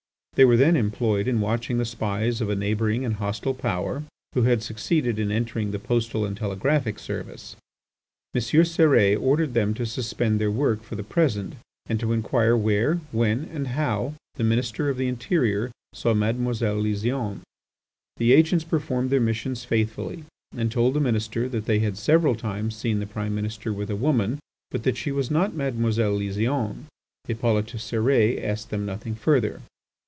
They were then employed in watching the spies of a neighbouring and hostile Power who had succeeded in entering the Postal and Telegraphic service. M. Cérès ordered them to suspend their work for the present and to inquire where, when, and how, the Minister of the Interior saw Mademoiselle Lysiane. The agents performed their missions faithfully and told the minister that they had several times seen the Prime Minister with a woman, but that she was not Mademoiselle Lysiane. Hippolyte Cérès asked them nothing further.